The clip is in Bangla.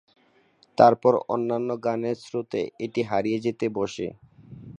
তারপর অন্যান্য গানের স্রোতে এটি হারিয়ে যেতে বসে।